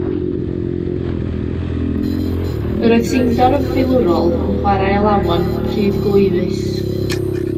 Yr oedd seindorf filwrol yn chware alawon pruddglwyfus.